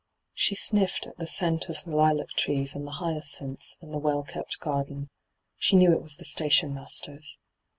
She sniffed at the scent of the lilac trees and the hyacinths in the well kept garden. She knew it was the station master's.